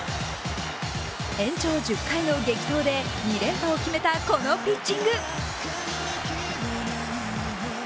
延長１０回の激闘で２連覇を決めたこのピッチング。